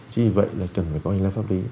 chỉ vậy là cần phải có hình lá pháp lý